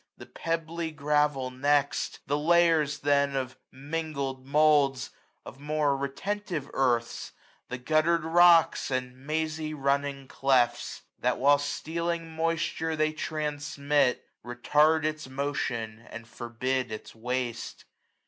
The pebbly gravel next, the layers then Of mingled moulds, of more retentive earths, The gutterM rocks and mazy running clefts; 151 AUTUMN. That, while the stealing moisture they transmit, 815 Retard its motion, and forbid its waste.